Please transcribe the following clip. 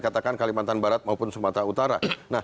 katakan kalimantan barat maupun sumatera utara